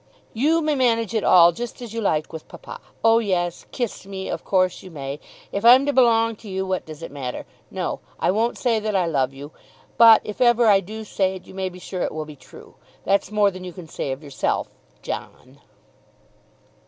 "You may manage it all just as you like with papa. Oh, yes, kiss me; of course you may. If I'm to belong to you what does it matter? No; I won't say that I love you. But if ever I do say it, you may be sure it will be true. That's more than you can say of yourself, John."